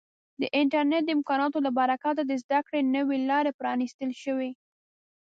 د انټرنیټ د امکاناتو له برکته د زده کړې نوې لارې پرانیستل شوي.